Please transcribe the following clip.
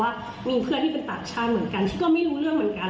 ว่ามีเพื่อนที่เป็นต่างชาติเหมือนกันซึ่งก็ไม่รู้เรื่องเหมือนกัน